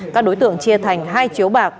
các đối tượng chia thành hai chiếu bạc